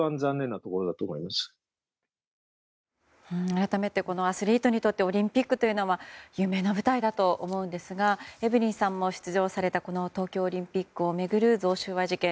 改めてアスリートにとってオリンピックというのは夢の舞台だと思うんですがエブリンさんも出場された東京オリンピックを巡る贈収賄事件。